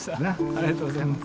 ありがとうございます。